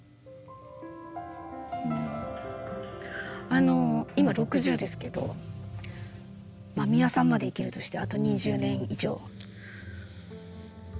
あの今６０ですけど美輪さんまで生きるとしてあと２０年以上どうやって。